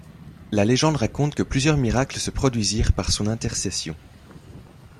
La légende raconte que plusieurs miracles se produisirent par son intercession.